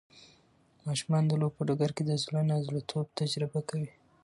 ماشومان د لوبو په ډګر کې د زړه نا زړه توب تجربه کوي.